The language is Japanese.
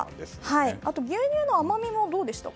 あと、牛乳の甘みはどうでしたか。